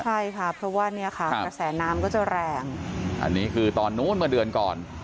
ใช่ค่ะเพราะว่าเนี่ยค่ะกระแสน้ำก็จะแรงอันนี้คือตอนนู้นเมื่อเดือนก่อน